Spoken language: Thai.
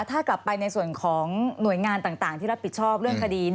ถ้ากลับไปในส่วนของหน่วยงานต่างที่รับผิดชอบเรื่องคดี